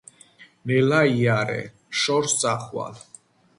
ნელა იარე — შორს წახვალ.